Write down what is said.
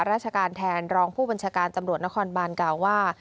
ราชการแทนรองผู้บัญชาการตำรวจนครบานกล่าวว่า